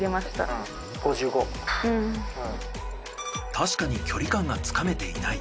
確かに距離感がつかめていない。